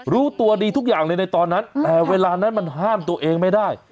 รู้ตัวดีทุกอย่างเลยในตอนนั้นแต่เวลานั้นมันห้ามตัวเองไม่ได้